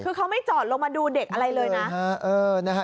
คือเขาไม่จอดลงมาดูเด็กอะไรเลยนะ